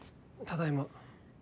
ただいま。